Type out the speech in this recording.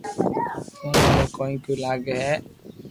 تو اماري ڪوئي ڪوئي لاگو ھي